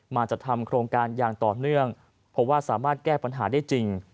จัดทำโครงการอย่างต่อเนื่องเพราะว่าสามารถแก้ปัญหาได้จริง